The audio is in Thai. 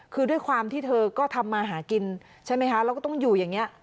คือด้วยความที่เธอก็ทำมาหากินใช่ไหมคะแล้วก็ต้องอยู่อย่างนี้